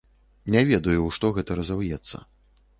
Не ведаю, у што гэта разаўецца.